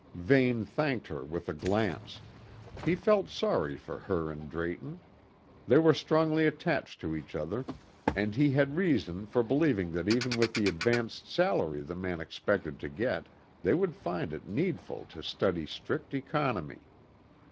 Vane thanked her with a glance; he felt sorry for her and Drayton. They were strongly attached to each other, and he had reason for believing that even with the advanced salary the man expected to get they would find it needful to study strict economy.